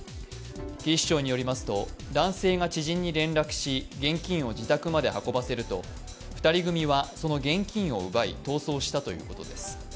警視庁によりますと、男性が知人に連絡し、現金を自宅まで運ばせると２人組はその現金を奪い、逃走したということです。